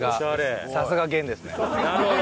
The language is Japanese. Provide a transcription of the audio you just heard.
なるほど。